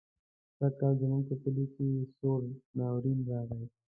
سږکال زموږ په کلي کې سوړ ناورين راغی.